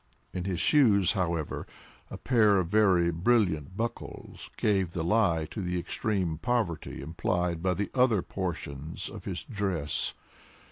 In his shoes, however, a pair of very brilliant buckles gave the lie to the extreme poverty implied by the other portions of his dress.